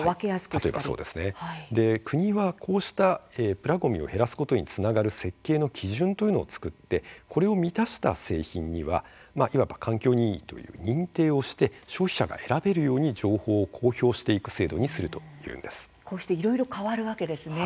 国はこうしたプラごみを減らすことにつながる設計の基準というのを作ってこれを満たした製品にはいわば環境にいいという認定をして消費者が選べるように情報を公表していく制度にするいろいろ変わるわけですね。